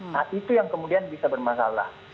nah itu yang kemudian bisa bermasalah